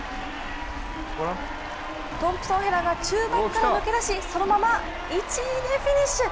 トンプソン・ヘラが中盤から抜け出し、そのまま１位でフィニッシュ！